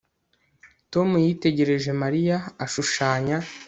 Tom yitegereje Mariya ashushanya